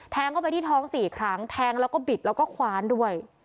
เข้าไปที่ท้อง๔ครั้งแทงแล้วก็บิดแล้วก็คว้านด้วย